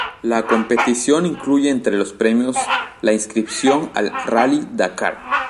La competición incluye entre los premios la inscripción al Rally Dakar.